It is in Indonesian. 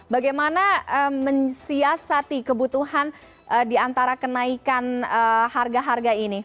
bagaimana mensiasati kebutuhan diantara kenaikan harga harga ini